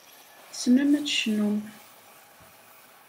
Tessnem ad tecnum.